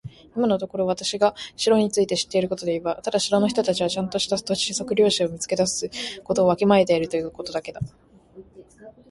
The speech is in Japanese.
今のところ私が城について知っていることといえば、ただ城の人たちはちゃんとした土地測量技師を見つけ出すことをわきまえているということだけだ。